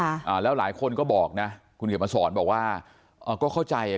อ่าแล้วหลายคนก็บอกนะคุณเขียนมาสอนบอกว่าอ่าก็เข้าใจอ่ะ